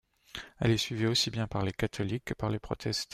Elle est suivie aussi bien par les catholiques que par les protestants.